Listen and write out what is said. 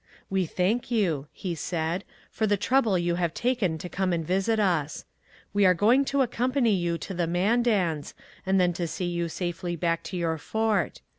'We thank you,' he said, 'for the trouble you have taken to come to visit us. We are going to accompany you to the Mandans, and then to see you safely back to your fort.